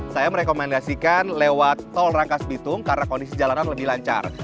saya merekomendasikan lewat tol rangkas bitung karena kondisi jalanan lebih lancar